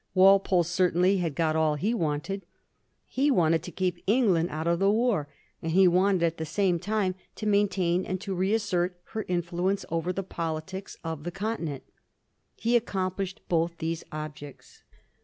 Walpole certainly had got all he wanted. He wanted to keep England out of the war, and he wanted at the same time to maintain and to reassert her influence over the politics of the Con tinent. He accomplished both these objects.